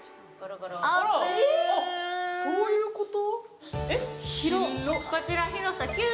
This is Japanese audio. あら、そういうこと？